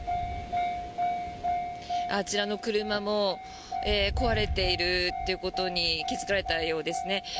あちらの車も壊れているということに気付かれたようですね。